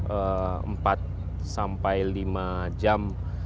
empat sampai lima jam